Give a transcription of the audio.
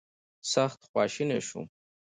سخت خواشینی شوم.